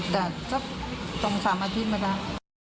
แต่ตรงสามอาทิตย์มาแล้ว